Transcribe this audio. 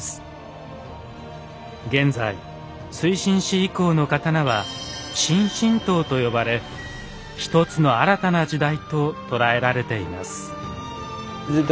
現在水心子以降の刀は「新々刀」と呼ばれ一つの新たな時代と捉えられています。